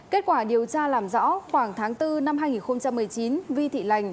kết quả điều tra làm rõ khoảng tháng bốn năm hai nghìn một mươi chín vi thị lành